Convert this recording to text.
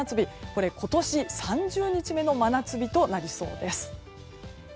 これ、今年３０日目の真夏日となりそうです。